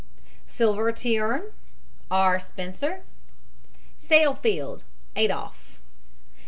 SILVERTHORN, R. SPENCER. SAALFELD, ADOLF.